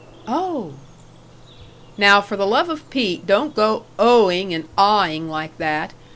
"Oh!" "Now for the love of Pete, don't go oh ing and ah ing like that.